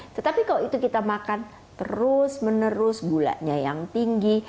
tetapi kalau itu kita makan terus menerus gulanya yang tinggi